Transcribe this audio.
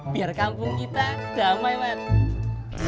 biar kampung kita damai mas